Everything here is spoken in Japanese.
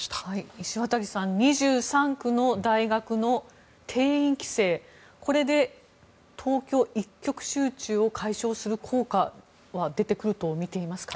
石渡さん、２３区の大学の定員規制で東京一極集中を解消する効果は出てくるとみていますか？